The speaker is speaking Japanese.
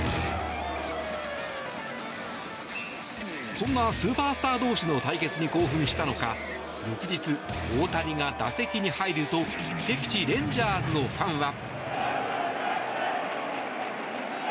そんなスーパースター同士の対決に興奮したのか翌日、大谷が打席に入ると敵地レンジャーズのファンは。